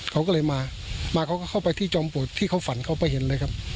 เขาก็เลยมามาเขาก็เข้าไปที่จอมปวดที่เขาฝันเขาไปเห็นเลยครับ